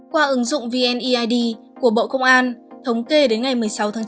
qua ứng dụng vneid của bộ công an thống kê đến ngày một mươi sáu tháng chín